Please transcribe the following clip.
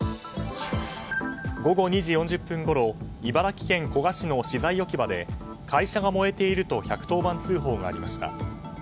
午後２時４０分ごろ茨城県古河市の資材置き場で会社が燃えていると１１０番通報がありました。